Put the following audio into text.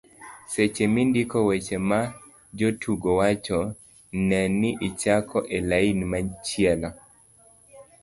seche mindiko weche ma jotugo wacho, ne ni ichako e lain machielo